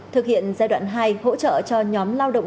thực hiện giai đoạn hai hỗ trợ cho nhóm lao động